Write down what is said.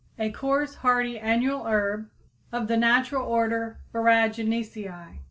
a coarse, hardy, annual herb of the natural order Boraginaceæ.